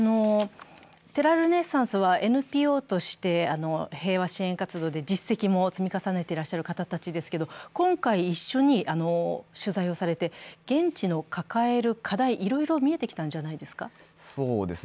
テラ・ルネッサンスはＮＰＯとして平和支援活動で実績も積み重ねていらっしゃる方たちですけれども、今回一緒に取材をされて現地が抱える課題いろいろ見えてきたんじゃないですか？